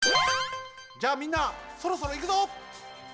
じゃあみんなそろそろいくぞ！